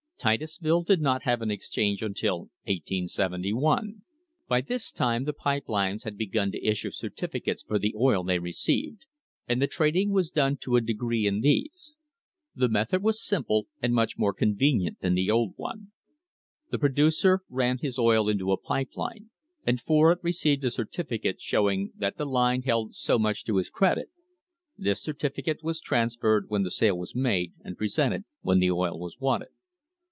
Titusville did not have an exchange until 1871. By this time the pipe lines had begun to issue certificates for the oil they received, and the trading THE BIRTH OF AN INDUSTRY was done to a degree in these. The method was simple, and much more convenient than the old one. The producer ran his oil into a pipe line, and for it received a certificate show ing that the line held so much to his credit; this certificate was transferred when the sale was made and presented when the oil was wanted.